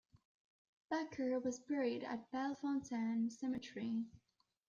Becker was buried at Bellefontaine Cemetery.